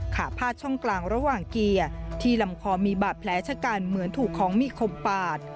ขาพาดช่องกลางระหว่างเกียร์ที่ลำคอมีบาดแผลชะกันเหมือนถูกของมีคมปาด